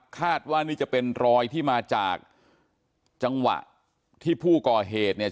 คาดว่านี่จะเป็นรอยที่มาจากจังหวะที่ผู้ก่อเหตุเนี่ย